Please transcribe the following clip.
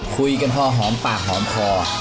คุยกันพอหอมปากหอมคอ